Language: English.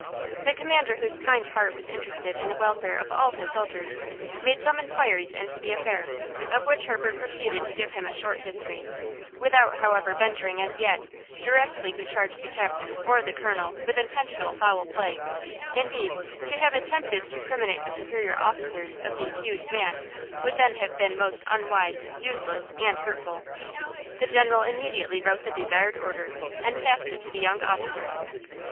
The commander whose kind heart was interested in the welfare of all his soldiers, made some inquiries into the affair, of which Herbert proceeded to give him a short history, without, however, venturing, as yet, directly to charge the Captain or the Colonel with intentional foul play; indeed to have attempted to criminate the superior officers of the accused man would then have been most unwise, useless and hurtful. The General immediately wrote the desired order and passed it to the young officer.